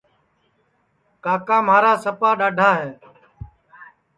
کاکا بھورا سپا ڈؔاڈھا ہے